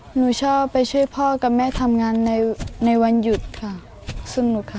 หนูชอบไปช่วยพ่อกับแม่ทำงานในในวันหยุดค่ะสนุกค่ะ